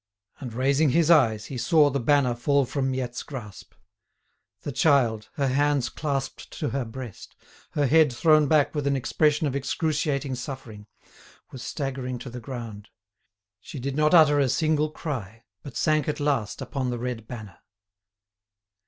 And raising his eyes he saw the banner fall from Miette's grasp. The child, her hands clasped to her breast, her head thrown back with an expression of excruciating suffering, was staggering to the ground. She did not utter a single cry, but sank at last upon the red banner.